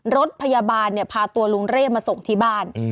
รถพยาบาลเนี่ยพาตัวลุงเร่มาส่งที่บ้าน